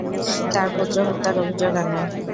তার পুত্র হত্যার অভিযোগ আনে।